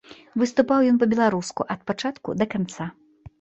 Выступаў ён па-беларуску ад пачатку да канца.